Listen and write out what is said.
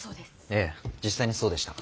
ええ実際にそうでした。